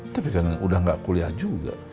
tapi kan udah gak kuliah juga